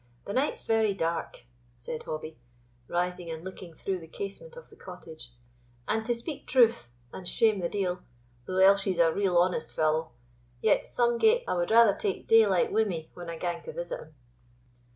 "The night's very dark," said Hobbie, rising and looking through the casement of the cottage; "and, to speak truth, and shame the deil, though Elshie's a real honest fallow, yet somegate I would rather take daylight wi' me when I gang to visit him."